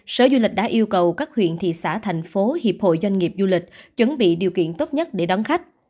sở du lịch đã yêu cầu các huyện thị xã thành phố hiệp hội doanh nghiệp du lịch chuẩn bị điều kiện tốt nhất để đón khách